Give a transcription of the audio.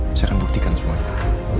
saya akan buktikan semuanya